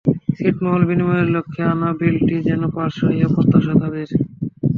ছিটমহল বিনিময়ের লক্ষ্যে আনা বিলটি যেন পাস হয়, এ প্রত্যাশা তাঁদের।